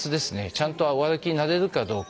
ちゃんとお歩きになれるかどうか。